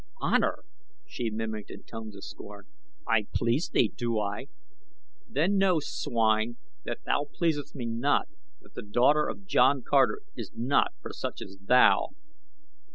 "'Honor'!" she mimicked in tones of scorn. "I please thee, do I? Then know, swine, that thou pleaseth me not that the daughter of John Carter is not for such as thou!"